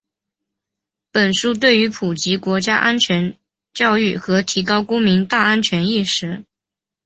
本书对于普及国家安全教育和提高公民“大安全”意识